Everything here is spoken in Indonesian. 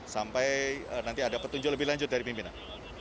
sampai nanti ada petunjuk lebih lanjut dari pimpinan